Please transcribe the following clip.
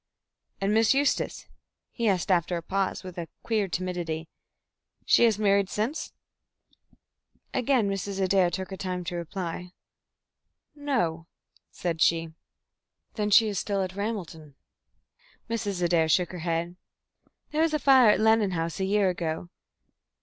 "And Miss Eustace?" he asked after a pause, with a queer timidity. "She has married since?" Again Mrs. Adair took her time to reply. "No," said she. "Then she is still at Ramelton?" Mrs. Adair shook her head. "There was a fire at Lennon House a year ago.